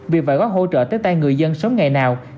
việc phải có hỗ trợ tới tay người dân sống ngày nào